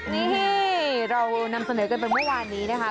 นี่เรานำเสนอกันไปเมื่อวานนี้นะคะ